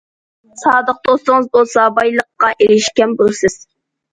سادىق دوستىڭىز بولسا، بايلىققا ئېرىشكەن بولىسىز.